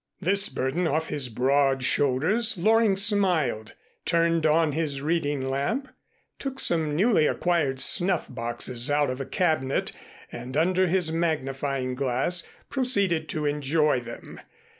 This burden off his broad shoulders, Loring smiled, turned on his reading lamp, took some newly acquired snuff boxes out of a cabinet and under his magnifying glass, proceeded to enjoy them.